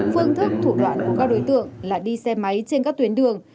phương thức thủ đoạn của các đối tượng là đi xe máy trên các tuyến đường